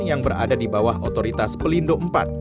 yang berada di bawah otoritas pelindo iv